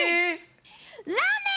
ラーメン。